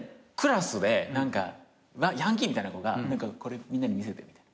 クラスでヤンキーみたいな子が「これみんなに見せて」